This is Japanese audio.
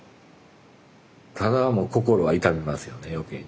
ただもう心が痛みますよね余計に。